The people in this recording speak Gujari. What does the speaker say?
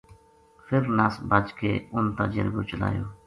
فر نس بھج کے ان تا جرگو چلایو